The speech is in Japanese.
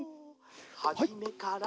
「はじめから」